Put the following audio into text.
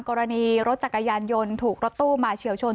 กรณีรถจักรยานยนต์ถูกรถตู้มาเฉียวชน